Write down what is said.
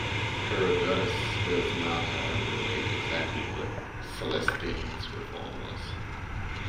Herodotus does not however, relate exactly what Cleisthenes' reform was.